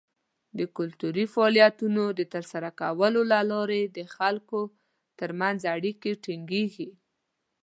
د کلتوري فعالیتونو د ترسره کولو له لارې د خلکو تر منځ اړیکې ټینګیږي.